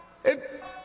「えっ」。